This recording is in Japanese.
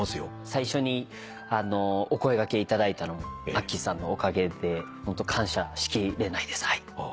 最初にお声掛けいただいたのもアッキーさんのおかげでホント感謝しきれないですはい。